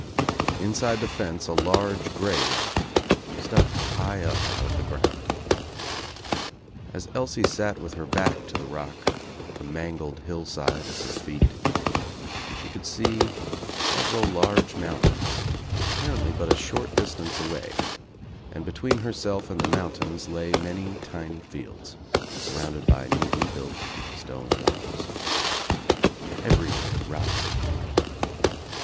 Inside the fence a large grey rock stuck high up out of the ground. As Elsie sat with her back to the rock, with a mangled hillside at her feet, she could see sev THE NEW ENGLANDER B eral Urge mountains, apparently but a short distance away, and between herself and the mountains lay many tiny fields surrounded by neatly built stone walls. Everywhere rocks appeared.